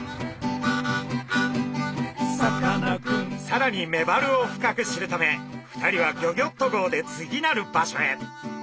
さらにメバルを深く知るため２人はギョギョッと号で次なる場所へ。